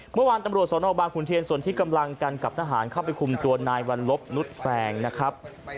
เมื่อวานตำรวจสนบางขุนเทียนส่วนที่กำลังกันกับทหารเข้าไปคุมตัวนายวัลลบนุษย์แฟงนะครับ